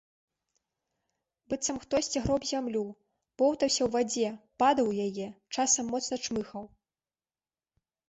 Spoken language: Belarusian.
Быццам хтосьці гроб зямлю, боўтаўся ў вадзе, падаў у яе, часам моцна чмыхаў.